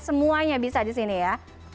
semuanya bisa di sini ya